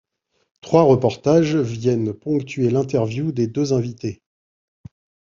Trois reportages viennent ponctuer l'interview des deux invités.